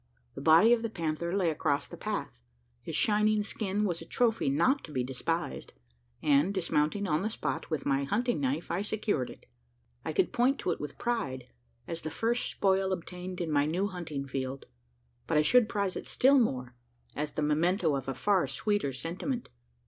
The body of the panther lay across the path. His shining skin was a trophy not to be despised; and, dismounting on the spot, with my hunting knife I secured it. I could point to it with pride as the first spoil obtained in my new hunting field; but I should prize it still more, as the memento of a far sweeter sentiment.